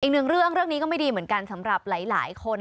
อีกหนึ่งเรื่องเรื่องนี้ก็ไม่ดีเหมือนกันสำหรับหลายคน